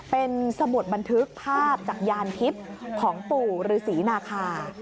เป็นสมุดบันทึกภาพจากยานทิพย์ของปู่ฤษีนาคา